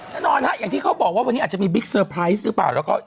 แน่นอนฮะอย่างที่เขาบอกว่าวันนี้อาจจะมีบิ๊กเซอร์ไพรส์หรือเปล่าแล้วก็